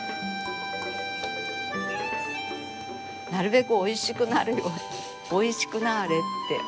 なるべくおいしくなるようにおいしくなれ！ってお祈りすること。